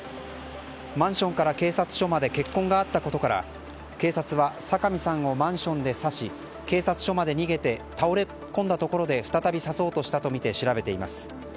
マンションから警察署まで血痕があったことから警察は酒見さんをマンションで刺し警察署まで逃げて倒れこんだところで再び刺そうとしたとみて調べています。